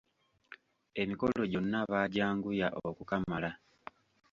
Emikolo gyonna baagyanguya okukamala.